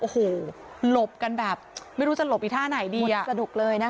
โอ้โหหลบกันแบบไม่รู้จะหลบอีกท่าไหนดีอะ